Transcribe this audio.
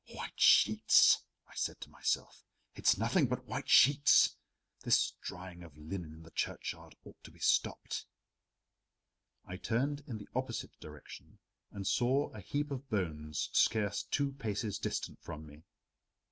"White sheets," I said to myself, "it's nothing but white sheets! This drying of linen in the churchyard ought to be stopped." I turned in the opposite direction and saw a heap of bones scarce two paces distant from me.